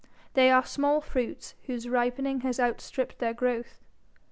They are small fruits whose ripening has outstripped their growth.